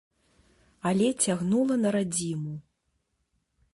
Але цягнула на радзіму.